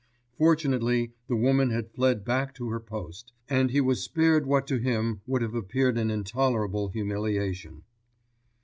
Fortunately the woman had fled back to her post, and he was spared what to him would have appeared an intolerable humiliation.